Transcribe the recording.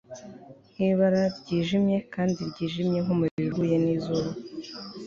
Nkibara ryijimye kandi ryijimye nkumuriro uhuye nizuba